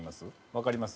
わかります？